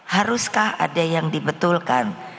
haruskah ada yang dibetulkan